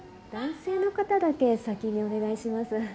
男性の方だけ先にお願いします。